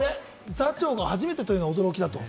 座長が初めてというのが驚き。